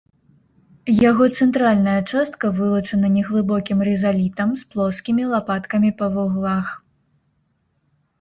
Яго цэнтральная частка вылучана неглыбокім рызалітам з плоскімі лапаткамі па вуглах.